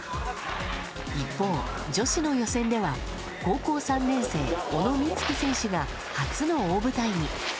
一方、女子の予選では、高校３年生、小野光希選手が初の大舞台に。